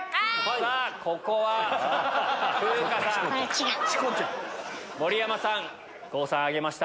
さぁここは風花さん盛山さん郷さん挙げました。